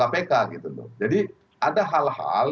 kpk gitu loh jadi ada hal hal